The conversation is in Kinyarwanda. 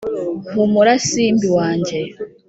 humura simbi, wanjye